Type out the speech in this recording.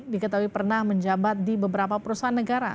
diketahui pernah menjabat di beberapa perusahaan negara